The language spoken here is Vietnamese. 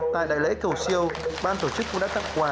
tại đại lễ cầu siêu ban tổ chức cũng đã tặng quà